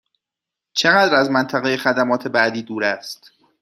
چقدر از منطقه خدمات بعدی دور است؟